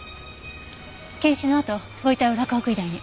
検視のあとご遺体を洛北医大に。